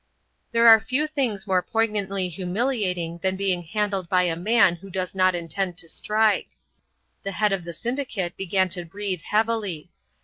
There are few things more poignantly humiliating than being handled by a man who does not intend to strike. The head of the syndicate began to breathe heavily.